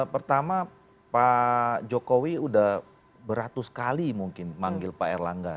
pertama pak jokowi sudah beratus kali mungkin manggil pak erlangga